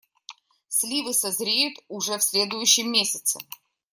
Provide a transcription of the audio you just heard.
Сливы созреют уже в следующем месяце.